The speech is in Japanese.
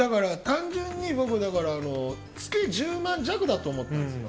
単純に僕月１０万弱だと思ったんです。